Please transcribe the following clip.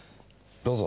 どうぞ。